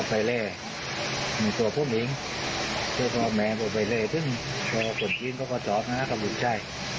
แหมจริงของเรานี่คือคือไข้ตามหาดอะไร